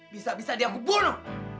bisa bisa dia kubunuh